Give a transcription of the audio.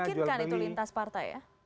memungkinkan itu lintas partai ya